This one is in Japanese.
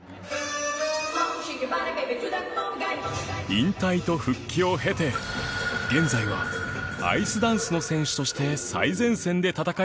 引退と復帰を経て現在はアイスダンスの選手として最前線で戦い続ける